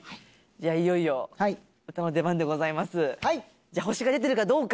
じゃあいよいよ、歌の出番でございます。